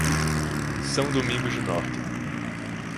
São Domingos do Norte